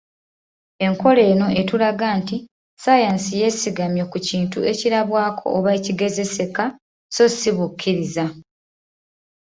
Enkola eno etulaga nti ssaayansi yeesigamye ku kintu ekirabwako oba ekigezeseka so si bukkiriza.